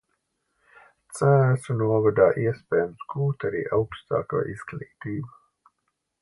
Cēsu novadā iespējams gūt arī augstāko izglītību.